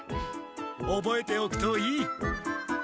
おぼえておくといい。